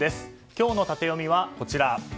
今日のタテヨミは、こちら。